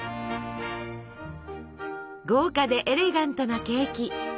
豪華でエレガントなケーキ。